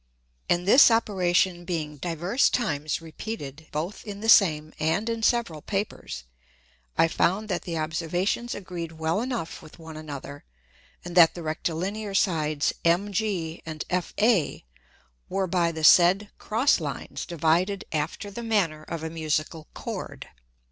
And this Operation being divers times repeated both in the same, and in several Papers, I found that the Observations agreed well enough with one another, and that the Rectilinear Sides MG and FA were by the said cross Lines divided after the manner of a Musical Chord.